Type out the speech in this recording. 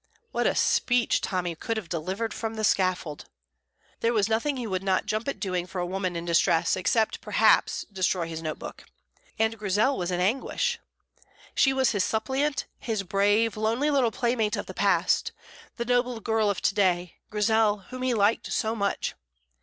(What a speech Tommy could have delivered from the scaffold!) There was nothing he would not jump at doing for a woman in distress, except, perhaps, destroy his note book. And Grizel was in anguish. She was his suppliant, his brave, lonely little playmate of the past, the noble girl of to day, Grizel whom he liked so much.